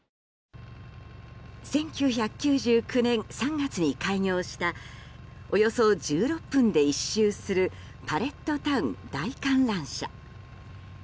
１９９９年３月に開業したおよそ１６分で１周するパレットタウン大観覧車。